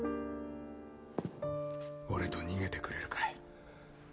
「俺と逃げてくれるかい？」